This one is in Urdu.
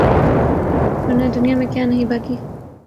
ورنہ دنیا میں کیا نہیں باقی